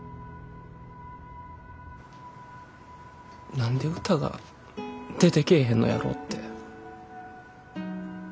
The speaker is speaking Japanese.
何で歌が出てけえへんのやろって。